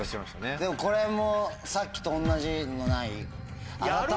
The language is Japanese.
でもこれもさっきと同じのない？